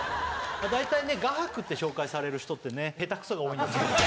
だいたいね画伯って紹介される人ってね下手くそが多いんです。